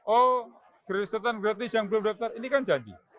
oh gresetan gratis yang belum daftar ini kan janji